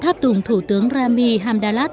tháp tùng thủ tướng rami hamdallah